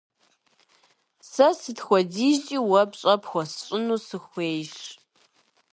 Сэ сыт хуэдизкӀи уэ пщӀэ пхуэсщӀыну сыхуейщ.